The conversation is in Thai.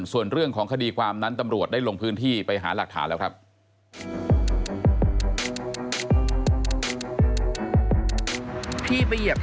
ส่วนเรื่องของคดีความนั้นตำรวจได้ลงพื้นที่ไปหาหลักฐานแล้วครับ